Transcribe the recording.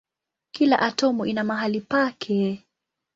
Kila atomu ina mahali pake.